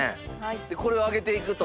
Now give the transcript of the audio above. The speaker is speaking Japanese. でこれを揚げていくと。